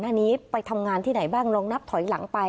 อันนี้ไปทำงานที่ไหนบ้าง